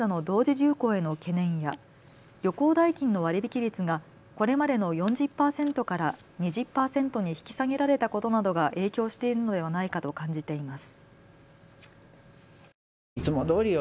流行への懸念や旅行代金の割引率がこれまでの４０％から２０％に引き下げられたことなどが影響しているのではないかと感じています。